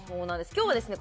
今日はですね